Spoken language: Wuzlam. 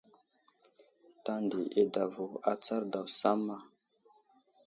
Tanday i adavo atsar daw samma.